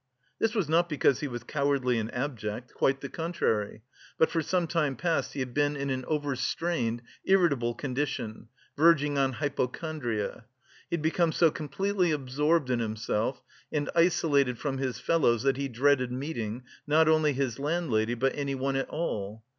This was not because he was cowardly and abject, quite the contrary; but for some time past he had been in an overstrained irritable condition, verging on hypochondria. He had become so completely absorbed in himself, and isolated from his fellows that he dreaded meeting, not only his landlady, but anyone at all.